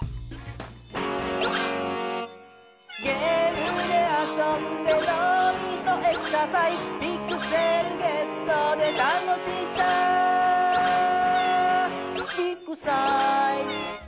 「ゲームであそんでのうみそエクササイズ」「ピクセルゲットで楽しさビッグサイズ」